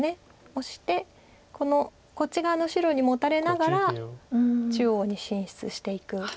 オシてこっち側の白にモタれながら中央に進出していく。